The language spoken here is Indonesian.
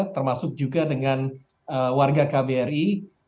termasuk juga dengan warga kbri